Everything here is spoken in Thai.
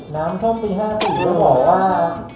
น้ำพ่วงปีข้าวสี่คือหม่อยว่า